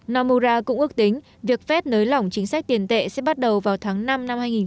namura cũng ước tính việc phép nới lỏng chính sách tiền tệ sẽ bắt đầu vào tháng năm năm hai nghìn hai mươi